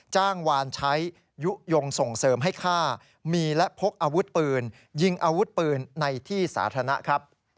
จ้างวานใช้ยุโยงส่งเสริมให้ฆ่ามีและพกอาวุธปืนยิงอาวุธปืนในที่สาธารณะครับ